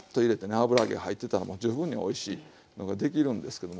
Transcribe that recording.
油揚げ入ってたらもう十分においしいのができるんですけども。